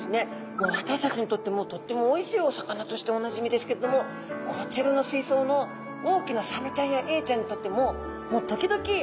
もう私たちにとってもとってもおいしいお魚としておなじみですけれどもこちらの水槽の大きなサメちゃんやエイちゃんにとってももう時々ギョちそうだ！